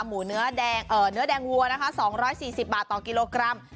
หมูเนื้อแดงวัวนะคะ๒๔๐บาทต่อกิโลกรัม